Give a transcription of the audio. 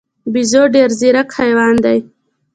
بیزو ډېر ځیرک حیوان دی.